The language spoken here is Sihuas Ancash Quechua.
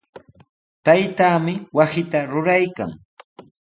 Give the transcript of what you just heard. Taytaami wasita ruraykan.